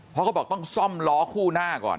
เพราะเขาบอกต้องซ่อมล้อคู่หน้าก่อน